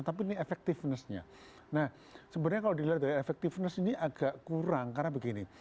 nah ini sebenarnya kalau dilihat dari efektifnya ini agak kurang karena begini